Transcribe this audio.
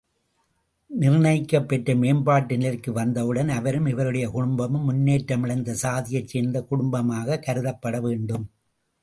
நிர்ணயிக்கப்பெற்ற மேம்பாட்டு நிலைக்கு வந்தவுடன் அவரும் இவருடைய குடும்பமும் முன்னேற்ற மடைந்த சாதியைச் சேர்ந்த குடும்பமாகக் கருதப்பட வேண்டும்.